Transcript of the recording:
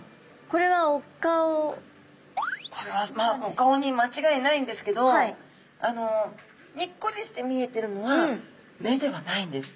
これはお顔に間違いないんですけどにっこりして見えてるのは目ではないんです。